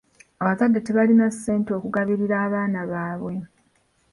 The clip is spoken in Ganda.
Abazadde tebalina ssente okugabirira abaana baabwe.